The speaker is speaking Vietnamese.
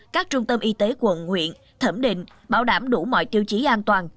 các trung tâm y tế quận huyện thẩm định bảo đảm đủ mọi tiêu chí an toàn